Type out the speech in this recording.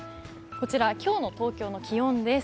今日の東京の気温です。